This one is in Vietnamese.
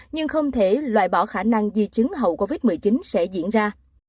nhưng không thể loại bỏ khả năng di chứng hậu covid một mươi chín sẽ diễn ra